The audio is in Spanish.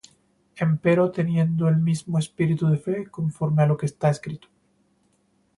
Empero teniendo el mismo espíritu de fe, conforme á lo que está escrito: